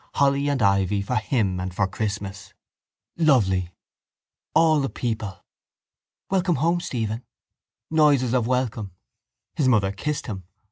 Holly and ivy for him and for Christmas. Lovely... All the people. Welcome home, Stephen! Noises of welcome. His mother kissed him.